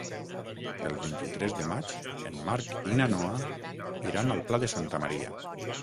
El vint-i-tres de maig en Marc i na Noa iran al Pla de Santa Maria.